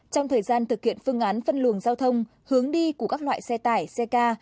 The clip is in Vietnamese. trong thời gian thực hiện phương án phân luồng giao thông hướng đi của các loại xe tải xe ca